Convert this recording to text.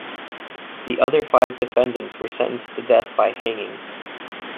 The other five defendants were sentenced to death by hanging.